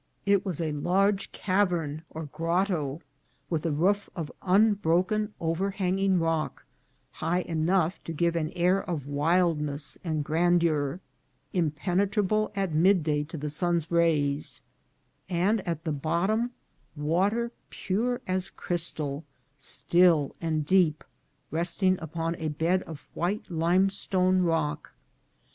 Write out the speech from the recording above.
It was a large cavern or grotto, with a roof of broken, overhanging rock, high enough to give an air of wildness and grandeur, impenetrable at midday to the sun's rays, and at the bottom water pure as crystal, still and deep, resting upon a bed of white limestone rock.